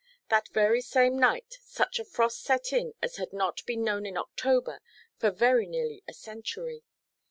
That very same night such a frost set in as had not been known in October for very nearly a century.